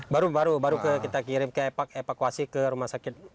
baru baru baru kita kirim ke evakuasi ke rumah sakit